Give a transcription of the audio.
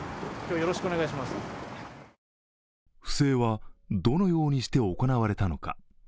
不正はどのようにして行われたのか。